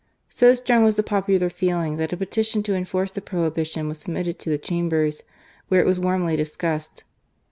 So strong was the popular feeling, that a petition to enforce the prohibition was submitted to the Chambers, where it was warmly discussed.